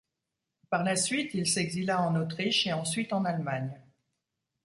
Par la suite, il s'exila en Autriche et ensuite en Allemagne.